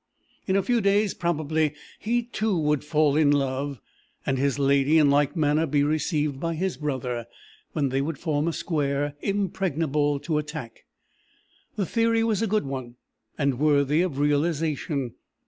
In a few days probably he too would fall in love, and his lady in like manner be received by his brother, when they would form a square impregnable to attack. The theory was a good one, and worthy of realization.